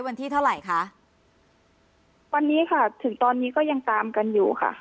วันที่เท่าไหร่คะวันนี้ค่ะถึงตอนนี้ก็ยังตามกันอยู่ค่ะ